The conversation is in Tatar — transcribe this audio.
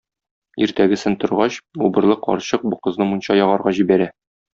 Иртәгесен торгач, убырлы карчык бу кызны мунча ягарга җибәрә.